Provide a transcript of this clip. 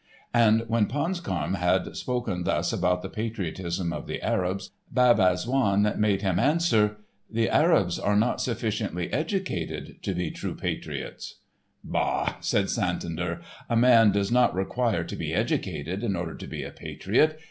And when Ponscarme had spoken thus about the patriotism of the Arabs, Bab Azzoun made him answer: "The Arabs are not sufficiently educated to be true patriots." "Bah!" said Santander, "a man does not require to be educated in order to be a patriot.